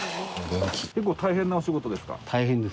結構大変なお仕事ですか？